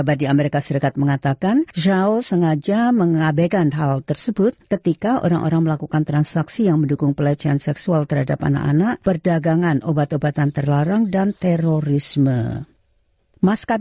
bersama sbs bahasa indonesia